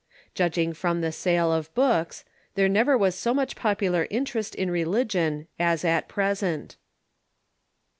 Judging from the sale of books, there never was so much popular interest in religion as at present.